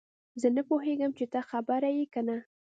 زه نه پوهیږم چې ته خبر یې که نه